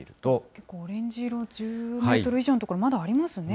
結構、オレンジ色、１０メートル以上の所、まだありますね。